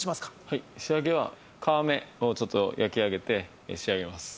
はい仕上げは皮目をちょっと焼き上げて仕上げます